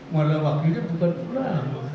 malah waktunya bukan ulama